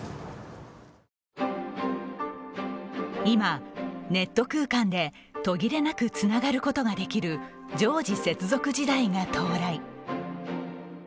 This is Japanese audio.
今、ネット空間で途切れなくつながることができる常時接続時代が到来。